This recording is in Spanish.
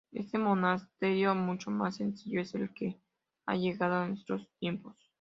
Este monasterio, mucho más sencillo, es el que ha llegado a nuestros tiempos.